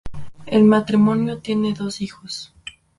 El matrimonio tiene dos hijos.